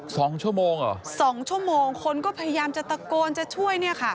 สองชั่วโมงเหรอสองชั่วโมงคนก็พยายามจะตะโกนจะช่วยเนี่ยค่ะ